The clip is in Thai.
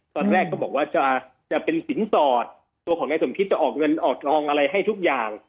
ตอนแรกก็บอกว่าจะเป็นสินสอดตัวของนายสมคิดจะออกเงินออกทองอะไรให้ทุกอย่าง